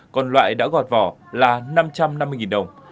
còn loại đã gọt vỏ là năm trăm năm mươi đồng